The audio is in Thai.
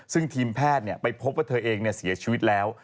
ซึ่งทีมแพทย์ไปพบว่าเธอเองเสียชีวิตแล้ว